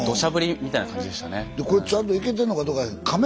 でこれちゃんといけてんのかどうか。